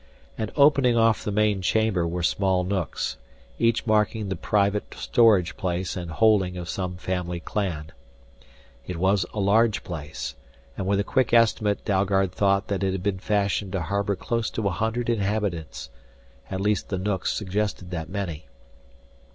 And opening off the main chamber were small nooks, each marking the private storage place and holding of some family clan. It was a large place, and with a quick estimate Dalgard thought that it had been fashioned to harbor close to a hundred inhabitants, at least the nooks suggested that many.